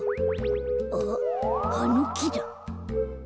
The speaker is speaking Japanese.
あっあのきだ。